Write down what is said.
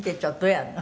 「やるの？」